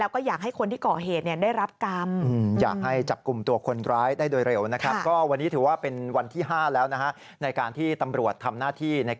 คนที่เกาะเหตุไม่อยากให้มีอะไรติดตัวลูก